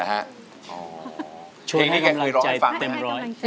เหรอฮะช่วยให้กำลังใจเต็มร้อย